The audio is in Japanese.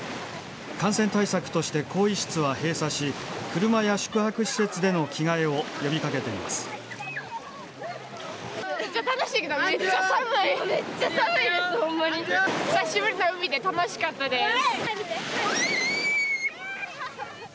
感染対策として、更衣室は閉鎖し、車や宿泊施設での着替えを呼びかけています。